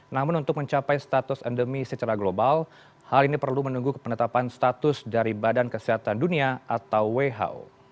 namun untuk mencapai status endemi secara global hal ini perlu menunggu penetapan status dari badan kesehatan dunia atau who